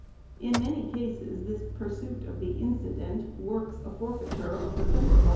In many cases, this pursuit of the incident works a forfeiture of the prin cipal.